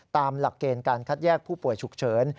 ตามหลักเกณฑ์การคัดแยกผู้ป่วยฉุกเฉิน